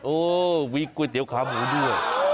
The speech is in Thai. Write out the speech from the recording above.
โอ้วเวย์ก๋วยเตี๋ยวคาหมูด้วย